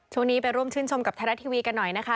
ช่วงนี้ไปร่วมชื่นชมกับไทยรัฐทีวีกันหน่อยนะคะ